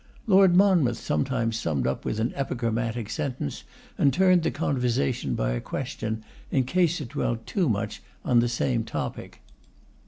Lord Monmouth sometimes summed up with an epigrammatic sentence, and turned the conversation by a question, in case it dwelt too much on the same topic.